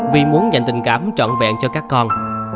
vì muốn dành tình cảm trọn vẹn cho các con